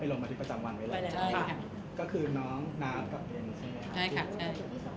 ไปกลันนาติประจำวันไว้เลยใช่ค่ะก็คือน้องนส์กับเงี่ยใช่ค่ะใช่